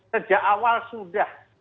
sejak awal sudah